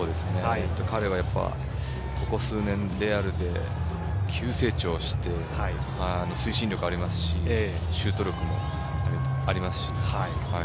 彼は、ここ数年レアルで急成長して推進力、ありますしシュート力もありますし。